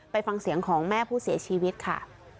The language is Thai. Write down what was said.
ฟังเสียงของแม่ผู้เสียชีวิตค่ะ